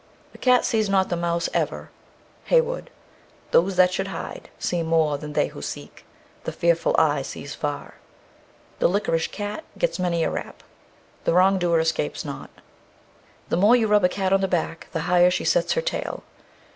The cat sees not the mouse ever. HEYWOOD. Those that should hide, see more than they who seek. The fearful eye sees far. The liquorish cat gets many a rap. The wrong doer escapes not. _The more you rub a cat on the back, the higher she sets her tail.